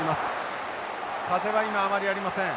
風は今あまりありません。